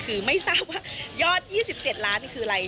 คือไม่ทราบว่ายอด๒๗ล้านนี่คืออะไร